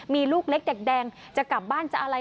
มีลูกเล็กแดงจะกลับบ้านจะอะไร